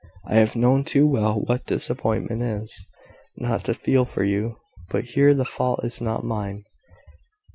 I have known too well what disappointment is, not to feel for you. But here the fault is not mine."